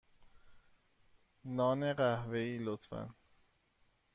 نان قهوه ای، لطفا.